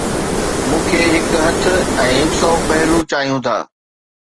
مون کي هڪ هٿ ۽ هڪ سؤ پهلو چاهيون ٿا